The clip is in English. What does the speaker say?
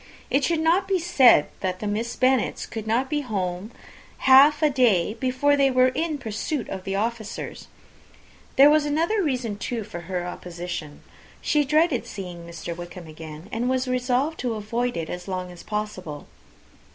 It should not be said, that the Miss Bennets could not be at home half a day before they were in pursuit of the officers. There was another reason, too, for her opposition. She dreaded seeing Wickham again, and was resolved to avoid it as long as possible.